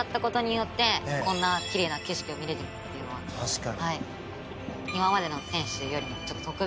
確かに。